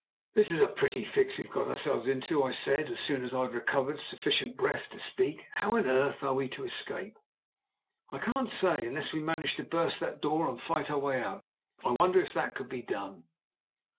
"This is a pretty fix we've got ourselves into," I said as soon as I had recovered sufficient breath to speak. "How on earth are we to escape?" "I can't say, unless we manage to burst that door and fight our way out. I wonder if that could be done."